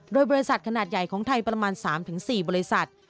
โดยบริษัทขนาดใหญ่ของไทยประมาณ๓๔บริษัท